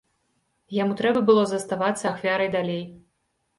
Яму трэба было заставацца ахвярай далей.